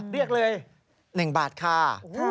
เรียกเลย๑บาทค่ะ